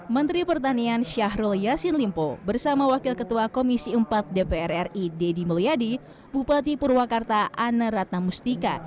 menteri pertanian syahrul yassin limpo bersama wakil ketua komisi empat dpr ri deddy mulyadi bupati purwakarta ana ratnamustika